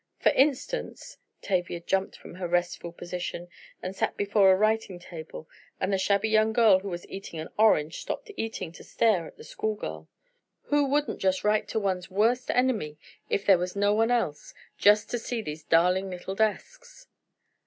For instance," Tavia jumped from her restful position, and sat before a writing table, and the shabby young girl who was eating an orange, stopped eating to stare at the schoolgirl. "Who wouldn't just write to one's worst enemy, if there was no one else, just to use these darling little desks!"